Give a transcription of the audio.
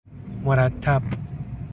مرتب